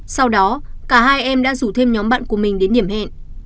sau đó cả hai em đã rủ thêm nhóm bạn của mình đến điểm hẹn